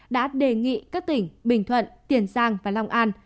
đã đề nghị các tỉnh bình thuận tiền giang và long an